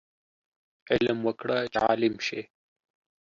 علم وکړه چې عالم شې